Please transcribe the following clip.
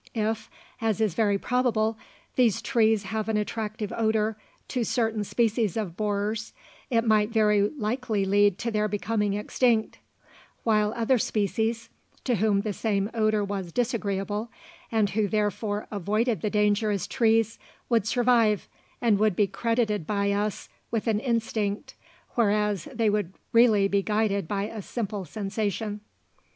If, as is very probable, these trees have an attractive odour to certain species of borers, it might very likely lead to their becoming extinct; while other species, to whom the same odour was disagreeable, and who therefore avoided the dangerous trees, would survive, and would be credited by us with an instinct, whereas they would really be guided by a simple sensation.